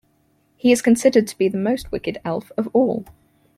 He is considered to be the most wicked elf of all.